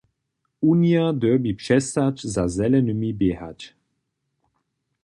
Unija dyrbi přestać, za Zelenymi běhać.